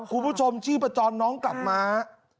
คุณผู้ชมชี้ประจอนน้องกลับมา